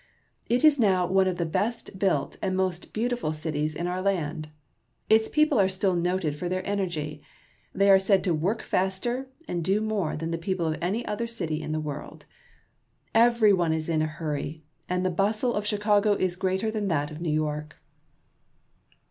It is now one of the best built and most beautiful cities of our land. Its people are still noted for their energy. They are said to work faster and do more than the people of any other city in the world. Every one is in a hurry, and the bustle of Chicago is greater than that of New York.